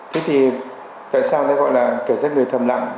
thế thì tại sao gọi là kiểm tra người thầm lặng